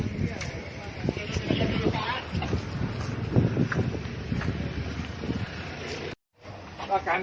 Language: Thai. เมื่อ๑๙นาทีแม่งก็โดดใส่หน้าโน้น